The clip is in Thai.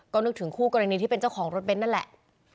ก็นึกถึงคู่กรณีที่เป็นเจ้าของรถเน้นนั่นแหละ